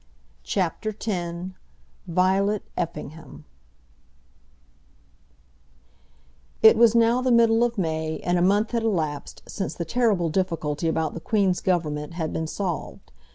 CHAPTER X Violet Effingham It was now the middle of May, and a month had elapsed since the terrible difficulty about the Queen's Government had been solved.